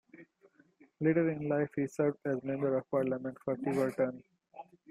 Later in life he served as Member of Parliament for Tiverton.